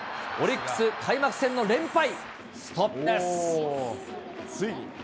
オリックス、開幕戦の連敗ストッついに。